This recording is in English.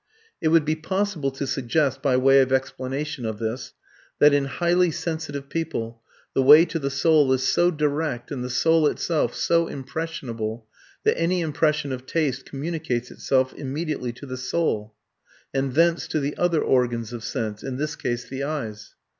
] It would be possible to suggest, by way of explanation of this, that in highly sensitive people, the way to the soul is so direct and the soul itself so impressionable, that any impression of taste communicates itself immediately to the soul, and thence to the other organs of sense (in this case, the eyes).